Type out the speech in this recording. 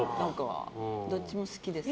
どっちも好きですよ。